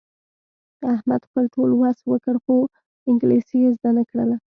احمد خپل ټول وس وکړ، خو انګلیسي یې زده نه کړله.